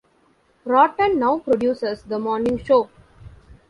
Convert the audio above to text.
Roten now produces the morning show.